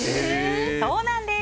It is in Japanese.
そうなんです。